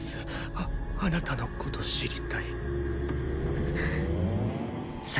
ああなたのこと知りたい咲